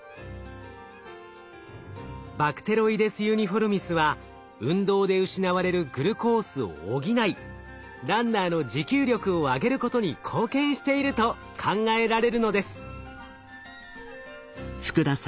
バクテロイデス・ユニフォルミスは運動で失われるグルコースを補いランナーの持久力を上げることに貢献していると考えられるのです。